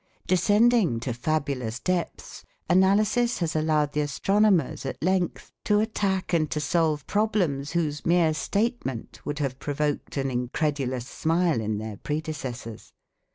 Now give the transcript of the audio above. Descending to fabulous depths, analysis has allowed the astronomers at length to attack and to solve problems whose mere statement would have provoked an incredulous smile in their predecessors.